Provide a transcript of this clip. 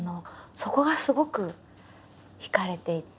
そこがすごく惹かれていて。